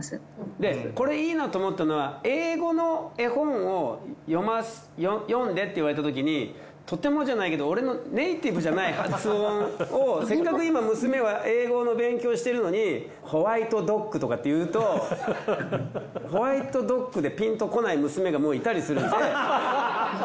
でこれいいなと思ったのは英語の絵本を読んでって言われたときにとてもじゃないけど俺のネイティブじゃない発音をせっかく今娘は英語の勉強してるのにホワイトドッグとかって言うとホワイトドッグでピンとこない娘がもういたりするんで。